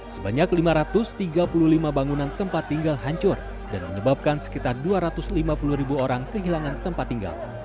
sebanyak lima ratus tiga puluh lima bangunan tempat tinggal hancur dan menyebabkan sekitar dua ratus lima puluh ribu orang kehilangan tempat tinggal